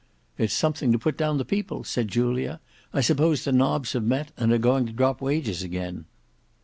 "It's something to put down the people," said Julia: "I suppose the Nobs have met, and are going to drop wages again."